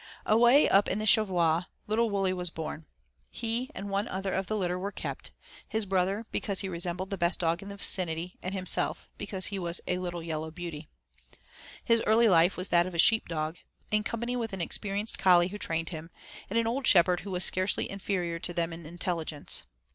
I Away up in the Cheviots little Wully was born. He and one other of the litter were kept; his brother because he resembled the best dog in the vicinity, and himself because he was a little yellow beauty. His early life was that of a sheep dog, in company with an experienced collie who trained him, and an old shepherd who was scarcely inferior to them in intelligence.